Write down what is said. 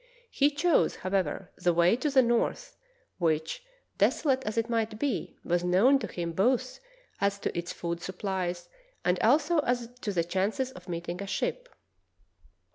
He chose, however, the way to the north, which, desolate as it might be, was known to him both as to its food supplies and also as to the chances of meeting a ship.